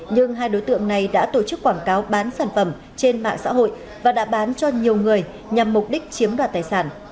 nhưng hai đối tượng này đã tổ chức quảng cáo bán sản phẩm trên mạng xã hội và đã bán cho nhiều người nhằm mục đích chiếm đoạt tài sản